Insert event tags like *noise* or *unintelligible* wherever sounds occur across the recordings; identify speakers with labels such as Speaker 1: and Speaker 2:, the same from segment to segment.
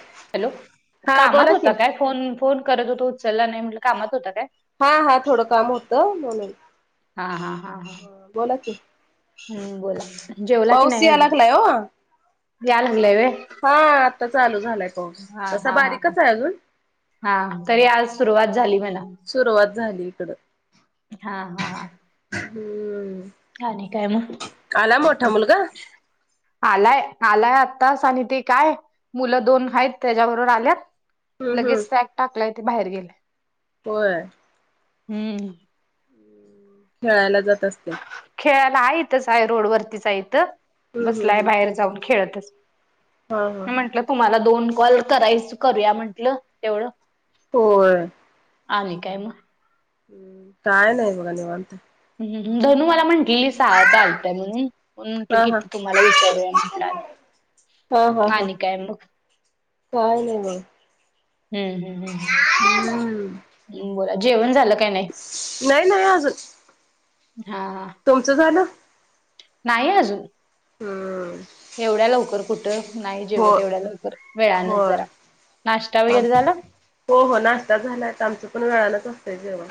Speaker 1: Hello
Speaker 2: हा
Speaker 1: कामात
Speaker 2: बोला की
Speaker 1: होता काय? फोन-फोन करत होतो उचलला नाही म्हटल कामात होता काय?
Speaker 2: हा हा थोड काम होत, म्हणून
Speaker 1: हा हा हा हा
Speaker 2: बोला की
Speaker 1: हम्म बोला जेवला की
Speaker 2: पाऊस
Speaker 1: नाय
Speaker 2: या
Speaker 1: अजून?
Speaker 2: लागलाय हो
Speaker 1: या लागलाय व्हय?
Speaker 2: हा आत्ता चालू झालाय पाऊस तसा
Speaker 1: हा-हा, हा-
Speaker 2: बारीकच आहे अजून
Speaker 1: हा -हा तरी आज सुरुवात झाली म्हणा
Speaker 2: सुरुवात झाली इकड.
Speaker 1: हा-हा-हा
Speaker 2: हम्म,
Speaker 1: मग
Speaker 2: आला मोठा मुलगा?
Speaker 1: आलाय -आलाय आत्तास आणि ते काय मुल दोन हायत त्याच्याबरोबर आल्यात
Speaker 2: हम्म
Speaker 1: लगेच
Speaker 2: हम्म
Speaker 1: सॅक टाकलाय, ते बाहेर गेलाय.
Speaker 2: होय
Speaker 1: हम्म
Speaker 2: खेळायला जात असतेल
Speaker 1: खेळायला हाय इथच हाय रोडवरतीच हाय इथ
Speaker 2: हम्म हम्म
Speaker 1: बसलाय
Speaker 2: हम्म
Speaker 1: बाहेर जाऊन खेळतच
Speaker 2: हा हा
Speaker 1: म्हंटलं तुम्हाला दोन कॉल करायच करूया म्हंटल तेवढ
Speaker 2: होय
Speaker 1: आली काय मग?
Speaker 2: हं काय नाही बघा निवांत
Speaker 1: हं, धनू मला म्हणाली, सहाळ्याचा आला होता म्हणून म्हटलं,
Speaker 2: हा हा
Speaker 1: किती तुम्हाला विचारूया म्हटलं,
Speaker 2: हा हा हा
Speaker 1: आणि काय मग?
Speaker 2: काय नाही, बघ.
Speaker 1: हं हं
Speaker 2: हम्म
Speaker 1: हं, बोला, जेवण झालं का?
Speaker 2: नाही ना, अजून
Speaker 1: हा.
Speaker 2: तुमचं झालं?
Speaker 1: नाही, अजून.
Speaker 2: हं
Speaker 1: एवढ्या लवकर कुठं? नाही, जेवत
Speaker 2: हो
Speaker 1: नाही एवढ्या लवकर. वेळानंच
Speaker 2: होय
Speaker 1: जरा नाश्ता
Speaker 2: आम
Speaker 1: वगैरे झाला.
Speaker 2: हो हो, नाश्ता झालाय. आमचं पण वेळच असतंय जेवण.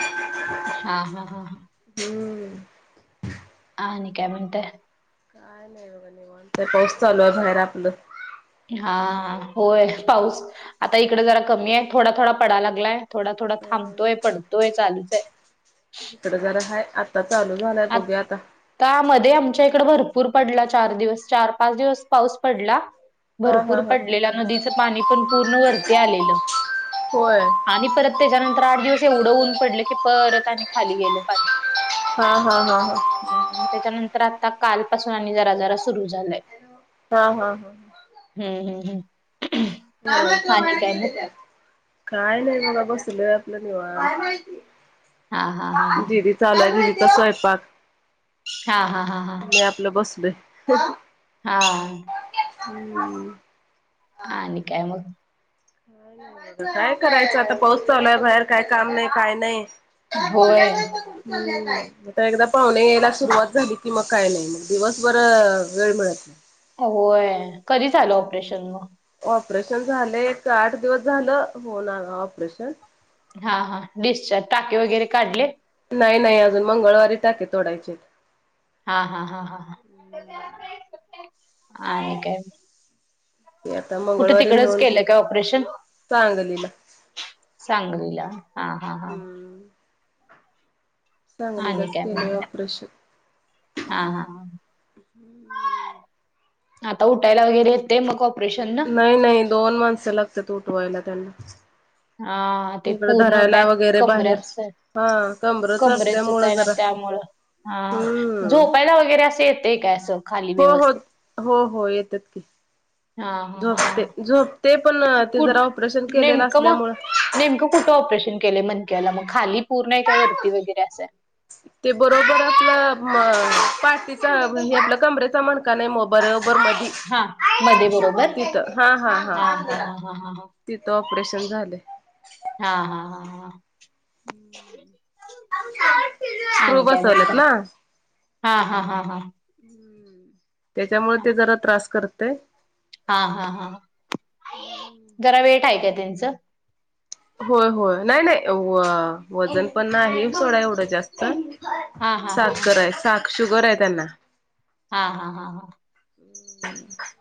Speaker 1: हा हा हा हा!
Speaker 2: हम्म
Speaker 1: आणि काय म्हणताय?
Speaker 2: काय नाही, बघा, निवांत तर. पाऊस चालू आहे बाहेर आपलं.
Speaker 1: हा होय, पाऊस आता इकडे जरा कमी आहे, थोडा-थोडा पडायला लागलाय. थोडा थोडा
Speaker 2: अ
Speaker 1: थांबतोय पडतोय चालूच आहे.
Speaker 2: इकडं जरा हाय, आता चालू झालंय. बघुया आता.
Speaker 1: का मध्ये, आमच्या इकड भरपूर पडला, चार दिवस, चार-पाच दिवस पाऊस पडला.
Speaker 2: हा
Speaker 1: भरपूर
Speaker 2: हा हा
Speaker 1: पडलेलं, नदीचं पाणी पण पूर्ण वरती आलेलं.
Speaker 2: होय
Speaker 1: आणि परत, त्याच्यानंतर आठ दिवस एवढं ऊन पडलं की, परत आणि खाली गेलं पाणी.
Speaker 2: हा, हा, हा, हा!
Speaker 1: हं, त्याच्यानंतर आता कालपासून आणि जरा-जरा सुरू झालाय.
Speaker 2: हा, हा, हा!
Speaker 1: हं, हं, हं.
Speaker 2: काय माहित, ओ बाहेर गेल्यात त्या, काय नाही, बघा बसलोय आपलं निवांत.
Speaker 1: हा हा हा हा
Speaker 2: दिदीचा, *inaudible* दिदीचा स्वयंपाक
Speaker 1: हा हा हा हा
Speaker 2: नी, आपलं. आपलं बसलोय
Speaker 1: हा
Speaker 2: हं
Speaker 1: आणि काय मग?
Speaker 2: काय नाही, बघा काय करायचं, आता पाऊस चालूय बाहेर, काय काम नाही, काय नाही. काही बोलल्या
Speaker 1: होय.
Speaker 2: नाहीत, कुठं चालल्या त्या, आता एकदा पाहुणे यायला सुरुवात झाली. की मग काही नाही, मग दिवसभर वेळ मिळत नाही.
Speaker 1: होय, कधी झालं ऑपरेशन मग?
Speaker 2: ऑपरेशन झालं, एक आठ दिवस झालं होऊन ऑपरेशन.
Speaker 1: हा हा, डिस्चार्ज, टाके वगैरे काढले.
Speaker 2: नाही नाही, अजून मंगळवारी टाके तोडायची.
Speaker 1: हा हा हा हा, आणि काय मग?
Speaker 2: आता
Speaker 1: कुठं,
Speaker 2: मंगळवारी
Speaker 1: तिकडच
Speaker 2: नेऊन
Speaker 1: केलं काय ऑपरेशन?
Speaker 2: सांगलीला
Speaker 1: सांगलीला हा हा हा
Speaker 2: हम्म
Speaker 1: आणि
Speaker 2: सांगलीलाच केलंय ऑपरेशन
Speaker 1: हा हा हा, आता उठायला वगैरे येत ते मग ऑपरेशन ना?
Speaker 2: नाही नाही दोन माणस लागतात ऊटवायला त्यांना.
Speaker 1: हा. ते
Speaker 2: इकडं
Speaker 1: पूर्ण
Speaker 2: धरायला
Speaker 1: बॅक
Speaker 2: वगैरे बाहेर
Speaker 1: कमऱ्याच आहे.
Speaker 2: हा कमरच
Speaker 1: कमरेचच
Speaker 2: असल्यामुळं
Speaker 1: आहे ना
Speaker 2: जरा
Speaker 1: त्यामुळं हा
Speaker 2: हम्म
Speaker 1: झोपायला वगैरे असं येतय काय?
Speaker 2: हो हो हो हो येतात की
Speaker 1: हां, हां, हां
Speaker 2: झोपते- झोपते पण ते
Speaker 1: कुठ
Speaker 2: जरा ऑपरेशन केलेलं
Speaker 1: नेमकं
Speaker 2: असल्यामु
Speaker 1: मग नेमकं कुठं ऑपरेशन केलंय मनक्याला मग, खाली पूरण आहे काय वरती वगैरे असं?
Speaker 2: ते बरोबर आपलं पाठीचा हे आपलं कमरेचा म्हणका नाही म बरोबर मध्ये
Speaker 1: हा मध्ये बरोबर, हा हा ह ह ह ह.....
Speaker 2: तिथं ऑपरेशन झाले.
Speaker 1: हा हा हा हा....
Speaker 2: स्क्रू
Speaker 1: आणि काय
Speaker 2: बसवलत
Speaker 1: म्हणताय
Speaker 2: ना?
Speaker 1: हा हा हा हा.....
Speaker 2: ह् त्याच्यामुळे
Speaker 1: हा
Speaker 2: ते जरा त्रास करतय
Speaker 1: हा हा हा, जरा वेट आहे काय त्यांचं?
Speaker 2: होय होय, नाही -नाही वजन पण आहे सोडा एवढं जास्त.
Speaker 1: हा हा हा हा
Speaker 2: साखरय साख शुगर आहे त्यांना.
Speaker 1: हा हा हा हा...
Speaker 2: हम् *inaudible*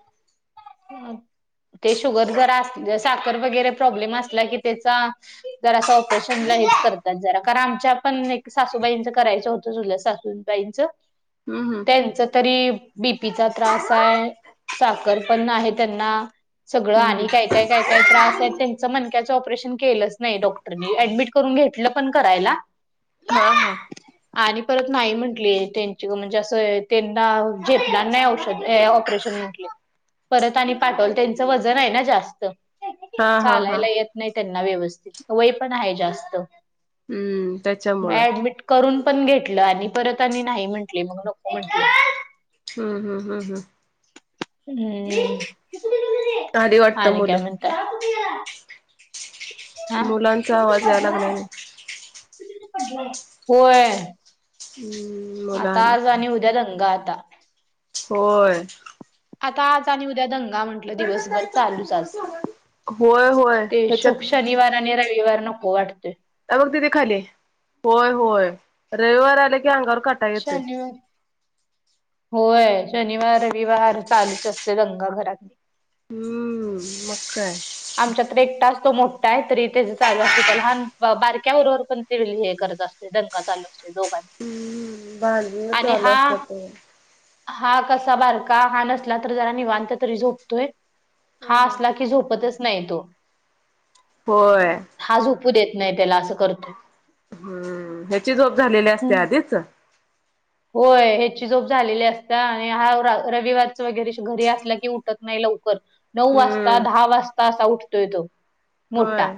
Speaker 1: ते शुगर जरा अस साखर वगैरे प्रॉब्लेम असला की त्याचा जर असं ऑपरेशनला हेच करतात जरा, कारण आमच्या पण एक सासूबाईंचं करायचं होतं चुलत ू *unintelligible* न पाच
Speaker 2: हम् हम्.
Speaker 1: त्यांचा तरी बीपीचा त्रास आहे. साखर पण आहे त्यांना. सगळं
Speaker 2: हम्म
Speaker 1: आणि
Speaker 2: हम्म.
Speaker 1: काय काय काय काय..... त्रास आहेत त्यांच मनक्याचं ऑपरेशन केलंच नाही डॉक्टरनी, ऍडमिट करून घेतलं पण करायला.
Speaker 2: हा हा
Speaker 1: आणि परत नाही म्हंटले त्यांची म्हणजे असं त्यांना झेपणार नाही औषध ऑपरेशन परत आणि पाठव त्यांच वजन आहे ना जास्त,
Speaker 2: हा हा हा.
Speaker 1: चालायला येत नाही त्यांना व्यवस्थित, वय पण आहे जास्त
Speaker 2: हम्म त्याच्यामुळं
Speaker 1: ऍडमिट करून पण घेतलं आणि परत आणि नाही म्हटले, मग नको म्हटलं.
Speaker 2: हम्म हम हम् हं......
Speaker 1: हम्,
Speaker 2: आली वाटतं
Speaker 1: आणि काय
Speaker 2: मुलं.
Speaker 1: म्हणताय? हा
Speaker 2: मुलांचा
Speaker 1: पज *inaudible*
Speaker 2: आवाज यायला लागलाय ना
Speaker 1: होय,
Speaker 2: हम्म मुलं
Speaker 1: आता आज
Speaker 2: आलेत
Speaker 1: आणि उद्या दंगा आता.
Speaker 2: होय.
Speaker 1: आता आज आणि उद्या दंगा म्हण दिवसभर चालूच आज,
Speaker 2: होय होय
Speaker 1: ते
Speaker 2: ह्याच्यात
Speaker 1: शनिवार रविवार नको वाटतय.
Speaker 2: अ बघ दिदी खाली, होय होय रविवार आले की अंगावर का
Speaker 1: शनिवार होय शनिवार- रविवार चालूच असते दगा घरात.
Speaker 2: हम्म, मग का?
Speaker 1: आमच्यात एक तास तो मोठा आहे. तरी त्याच चालू असते. त्या लहान बारक्या उरोवर पण ते हे करत असतो. दका चालूत रे दोघांचा.
Speaker 2: बाज *unintelligible*
Speaker 1: आणि
Speaker 2: चालू
Speaker 1: हा
Speaker 2: असत तो
Speaker 1: हा कसा बारका हा नसला तर जरा निवांत तरी झोपतोय, हा असला की झोप पतचं नाहीं येतो
Speaker 2: होयं
Speaker 1: हां झोपू देतं नाहीं त्यांला असं करतं
Speaker 2: हम्मं ह्यांची झोप झालेली असते आधीचं
Speaker 1: होयं ह्यांची झोप झालेली असते आणि हां रविवारचं वगैरें घरी असलां की उठतं नाहीं लवकरं नऊ वाजतां
Speaker 2: हम्म
Speaker 1: दहा वाजतां असां उठतोय तो मोठा
Speaker 2: होय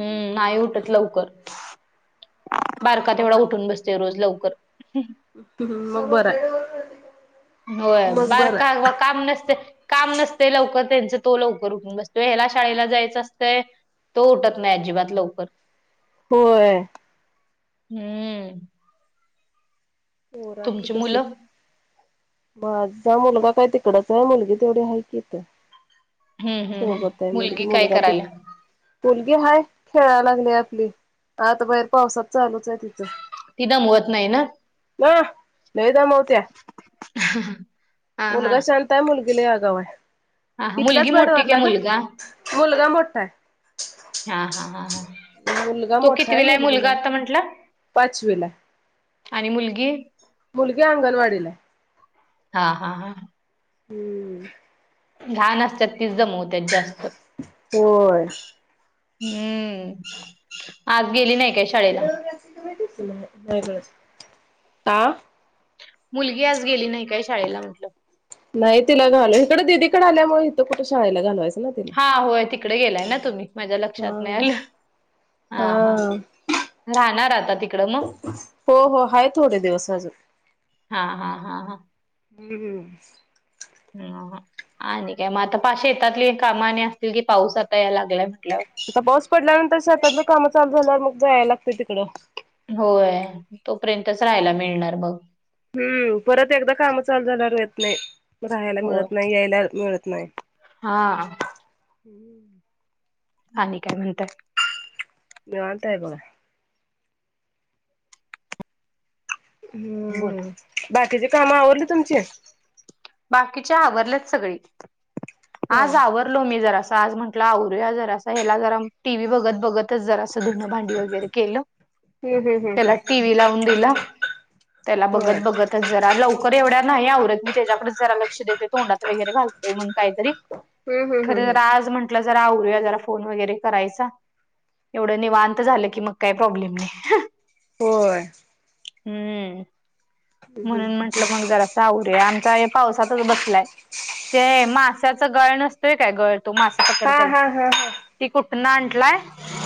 Speaker 1: हम्मं नाहीं उठतं लवकरं बारकां
Speaker 2: मग
Speaker 1: तेएवढां उठूंन बसते रोजचं लवकरं
Speaker 2: हम्मं बरं आहे
Speaker 1: होयं
Speaker 2: मग
Speaker 1: बारं
Speaker 2: बरं
Speaker 1: कां
Speaker 2: आहे
Speaker 1: बं कामं नसते कामं नसते लवकरं त्यांच तो लवकरं उठूंन बसतो यांयायला शाळेलां जायचं असतं तो उठतं नाहीं अजिबांत लवकरं
Speaker 2: होयं
Speaker 1: हम्मं
Speaker 2: होरांचं
Speaker 1: तुमची
Speaker 2: कसं
Speaker 1: मुलं
Speaker 2: माझां मुलंगा कायं तिकडचां आहे मुलंगी तेवढी आहे कीथ
Speaker 1: हम्म हम्म हम्म
Speaker 2: सोबतंय मुलंगा
Speaker 1: मुलगी काय
Speaker 2: मुलंगा
Speaker 1: करायला
Speaker 2: तिथं मुलंगी हायं खेळां लागली आपली आंता बाहेर पावसांत चालूंच आहे तिथं
Speaker 1: तिथं मुंत नाहीं नां
Speaker 2: नां नाहीं दमवत्यां
Speaker 1: हा हा
Speaker 2: मुलंगा शांत कायं मुलंगी लंय अंगऊव आहे
Speaker 1: हा हा. मुलगी
Speaker 2: इथल्यांच
Speaker 1: मोठी
Speaker 2: वेडवरं
Speaker 1: का
Speaker 2: नां गं
Speaker 1: मुलगा
Speaker 2: मुलंगा मोठां आहे
Speaker 1: हां हां हां हं
Speaker 2: मुलगा
Speaker 1: तो
Speaker 2: मोठा
Speaker 1: कितवीला आहे मुलंगा आंता म्हंटलं
Speaker 2: चुवेला
Speaker 1: आणि मुलंगी
Speaker 2: मुलंगी अंगणवाडीलां आहे
Speaker 1: हां हां हां
Speaker 2: हम्मं
Speaker 1: लहांन असतांत तीचं जमवंत्याचे जास्तं
Speaker 2: होयं
Speaker 1: हम्मं आंज गेली नाहीं कायं शाळेला
Speaker 2: कायं नाहीं बसं
Speaker 1: मुलंगी आंज गेली नाहीं कायं शाळेला म्हटलं
Speaker 2: नाहीं तिलां घालो इकडे दिदीकडे आल्यांमुळे इथं कुठे शाळेला घालवायचं नां तिला
Speaker 1: हां होयं तिकडे गेलांय नां तुम्हीं माझ्या लक्षांत नाहीं आलं हा हा
Speaker 2: हां
Speaker 1: राहणार आता तिकडं मग
Speaker 2: हो हो आहे थोडे दिवसं अजूंन
Speaker 1: हां हां हां हां
Speaker 2: हम्मं
Speaker 1: हं आणि कायं मंग आंता प अशे शेतांतली कामांने असतील की पाऊस आंता यां लागलांय म्हटल्यांवर
Speaker 2: आंता पाऊस पडल्यानंतर शेतांतली कामं चालूं झाल्या मंग जायलां लागतं तिकडं
Speaker 1: होयं तोपर्यंतच राहांयला मिळणारं बघं
Speaker 2: हम्मं परंत एकदाचं कामं चालूं झाल्यां येतं नाहीं राहांयला मिळतं नाहीं यायलां मिळतं नाहीं
Speaker 1: हां
Speaker 2: हम्मं
Speaker 1: आणि काय म्हणताय?
Speaker 2: निवांत हाय बघा. हम्म,
Speaker 1: बोला
Speaker 2: बाकीची काम आवरली तुमची?
Speaker 1: बाकीच्या आवरल्यात सगळी.
Speaker 2: होय.
Speaker 1: आज आवरलो, मी जरास आज म्हटलं, आवरया जरासं हेला जरा टीव्ही बघत-बघतच जरा स धूनं, भांडी वगैरे केलं,
Speaker 2: हम्म हम्म हम्म
Speaker 1: त्याला टी व्ही लावून दिला. त्याला
Speaker 2: होय.
Speaker 1: बघत-बघतच जरा लवकर एवढ्या नाही आवरत, मी त्याच्याकडेच जरा लक्ष देते. तोंडात वगैरे घालतोय म्हणून काहीतरी,
Speaker 2: हम्म हम्म हम्म हम्म.
Speaker 1: खरं आज म्हण आपला जरा आवरूया, जरा फोन वगैरे करायचा. एवढं निवांत झालं की, मग काही प्रॉब्लेम नाही.
Speaker 2: होय.
Speaker 1: हम्म,
Speaker 2: हम्म
Speaker 1: म्हणून
Speaker 2: हम्म.
Speaker 1: म्ह म्हटल मग जरास आवरूया, आमच्या हे पावसातच बसलाय, ते मास त्याच गळ नसतय काय, गळ तो मासे
Speaker 2: हा
Speaker 1: पकडत्याला
Speaker 2: हा हा हा
Speaker 1: ती कुठन आणलाय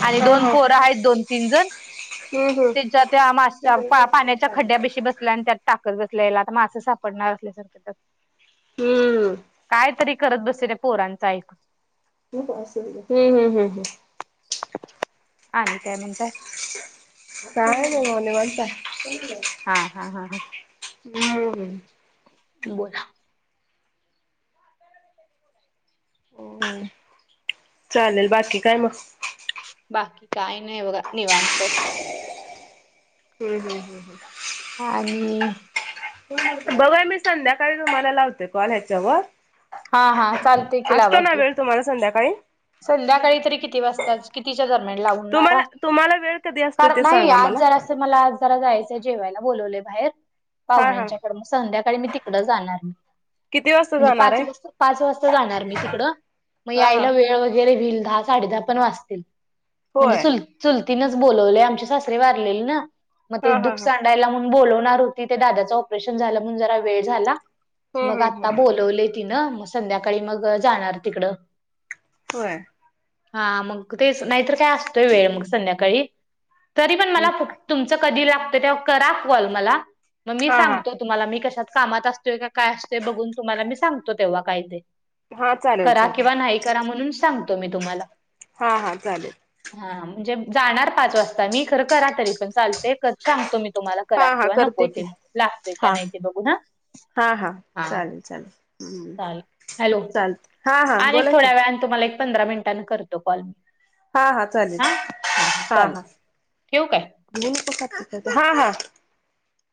Speaker 1: आणि
Speaker 2: हा
Speaker 1: दोन
Speaker 2: हा
Speaker 1: पोरं आहेत, दोन-तीन जण
Speaker 2: हम्म
Speaker 1: त्याच्या त्या माशा पा
Speaker 2: हम्म.
Speaker 1: पाण्याच्या खड्ड्या बेशी बसलाय आणि त्यात टाकत बसलाय लात मास सापडणार असल्यासारख त्यात, काय तरी दुसऱे पोरांचा ऐकून.
Speaker 2: हं, हं, हं, हं.
Speaker 1: आणि काय म्हणताय?
Speaker 2: काय नाय बघा, निवांत हाय.
Speaker 1: हा, हा, हा, हा.
Speaker 2: हम्म.
Speaker 1: बोला.
Speaker 2: चालेल, बाकी काय मग?
Speaker 1: बाकी काय नाही बघा, निवांत.
Speaker 2: हं, हं, हं.
Speaker 1: आणि?
Speaker 2: बघुया, मी संध्याकाळी तुम्हाला लावते कॉल ह्याच्यावर.
Speaker 1: हा, हा, चालतय की,
Speaker 2: असतो
Speaker 1: लावा
Speaker 2: ना
Speaker 1: की.
Speaker 2: वेळ तुम्हाला संध्याकाळी?
Speaker 1: संध्याकाळी तरी किती वाजता, कितीच्या दरम्यान लावणारा?
Speaker 2: तुम्हाला तुम्हाला वेळ कधी अस
Speaker 1: नाही, आज जरास मला आज जरा जायचं, जेवायला बोलवले बाहेर.
Speaker 2: हा हा.
Speaker 1: पाहुण्यांच्याकडे, मग संध्याकाळी मी तिकड जाणार,
Speaker 2: किती वाजता
Speaker 1: म्हणजे
Speaker 2: जाणार
Speaker 1: पाच
Speaker 2: आहे?
Speaker 1: वाज पाच वाजता जाणार मी तिकड, म
Speaker 2: हा हा
Speaker 1: यायला वेळ वेळ वगैरे होईल, दहा, साडे दहा पण वाजतील म्हणजे
Speaker 2: होय
Speaker 1: चूल चुलतीनेच बोलावले, आमचे सासरे वारलेले ना, मग ते
Speaker 2: हा हा
Speaker 1: दुख
Speaker 2: हा
Speaker 1: सां डायला म्हणून बोलवणार होती, ते दादाच ऑपरेशन झालं, म्हणून जरा वेळ झाला.
Speaker 2: हम्म
Speaker 1: मग,
Speaker 2: हम्म
Speaker 1: आता
Speaker 2: हम्म
Speaker 1: बोलवलय तिन, मग संध्याकाळी मग जाणार तिकडं.
Speaker 2: होय?
Speaker 1: हा, मग तेच नाहीतर काय असतोय वेळ मग संध्याकाळी. तरी पण मला तुमच कधी लागतं तेव्हा करा कॉल मला, मग मी
Speaker 2: हा हा
Speaker 1: सांगतो तुम्हाला मी कशात कामात असतोय का, काय असतोय, बघून तुम्हाला मी सांगतो तेव्हा काय ते.
Speaker 2: हा चालेल
Speaker 1: करा
Speaker 2: चालेल
Speaker 1: किंवा नाही करा, म्हणून सांगतो मी तुम्हाला.
Speaker 2: हा हा चालेल.
Speaker 1: हा, म्हणजे जाणार पाच वाजता मी, खरं करा तरी पण चालते क सांगतो मी तुम्हाला करा
Speaker 2: हा हा
Speaker 1: किंवा
Speaker 2: करते
Speaker 1: नको
Speaker 2: की
Speaker 1: ते. लागतय का
Speaker 2: हा
Speaker 1: नाही ते बघून हा. हा.
Speaker 2: चाल
Speaker 1: चालेल. हॅलो
Speaker 2: हा
Speaker 1: आणि एक
Speaker 2: बोला
Speaker 1: थोड्या
Speaker 2: की
Speaker 1: वेळान तुम्हाला एक पंधरा मिनिटांने करतो कॉल मी.
Speaker 2: हा हा चालेल
Speaker 1: आ. हा हा चालेल ठेवू काय.
Speaker 2: हा हा.